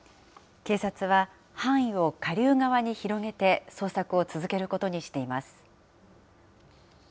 警察は範囲を下流側に広げて捜索を続けることにしています。